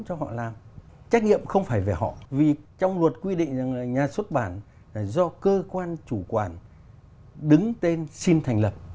trách nhiệm không phải về họ vì trong luật quy định là nhà xuất bản là do cơ quan chủ quản đứng tên xin thành lập